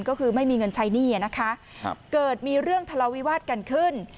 ก็คือไม่มีเงินใช้หนี้นะคะเกิดมีเรื่องทะเลาวิวาสกันขึ้น